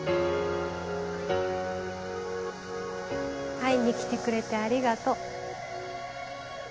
会いに来てくれてありがとう。